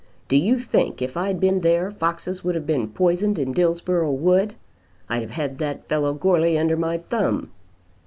Do you think if I'd been there foxes would have been poisoned in Dillsborough wood? I'd have had that fellow Goarly under my thumb."